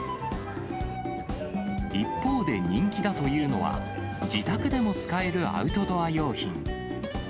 一方で、人気だというのは、自宅でも使えるアウトドア用品。